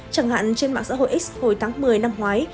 chẳng hạn trên mạng xã hội x hồi tháng một mươi năm ngoái